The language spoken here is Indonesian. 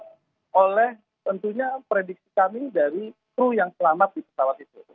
karena tentunya prediksi kami dari kru yang selamat di pesawat itu